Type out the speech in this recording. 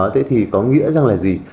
thế thì có nghĩa rằng là gì